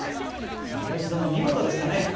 秀吉殿見事でしたね！